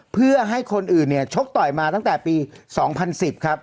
เพื่อให้คนอื่นเนี่ยชกต่อยมาตั้งแต่ปี๒๐๑๐ครับ